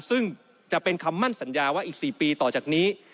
ซึ่งจะเป็นคำมั่นสัญญาว่าอีก๔ปีต่อจากนี้